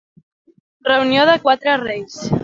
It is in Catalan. Reunió de quatre reis.